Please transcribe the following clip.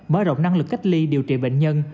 mở rộng năng lực cách ly điều trị bệnh nhân